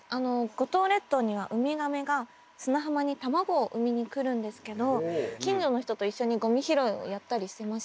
五島列島にはうみがめが砂浜に卵を産みに来るんですけど近所の人と一緒にごみ拾いをやったりしてました。